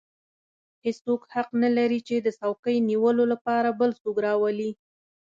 هېڅوک حق نه لري چې د څوکۍ نیولو لپاره بل څوک راولي.